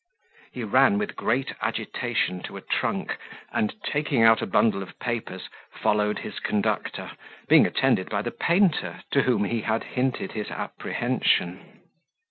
He ran with great agitation to a trunk, and, taking out a bundle of papers, followed his conductor, being attended by the painter, to whom he had hinted his apprehension.